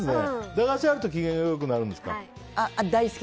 駄菓子があると機嫌が良くなるんですか。